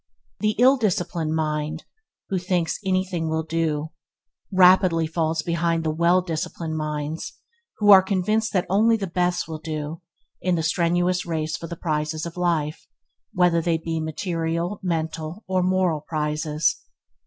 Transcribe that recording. The ill disciplined mind, that thinks anything will do, rapidly falls behind the well disciplined minds who are convinced that only the best will do in the strenuous race for the prizes of life, whether they be material, mental, or moral prizes.